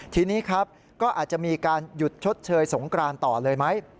ทีนี้ครับก็อาจจะมีการหยุดชดเชยสงกรานต่อเลยไหม